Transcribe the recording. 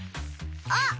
あっ！